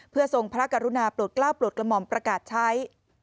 เพื่อทรงพระกรุณาโปรดกล้าวโปรดกระหม่อมประกาศใช้